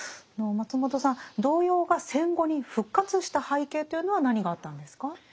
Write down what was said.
松本さん童謡が戦後に復活した背景というのは何があったんですか？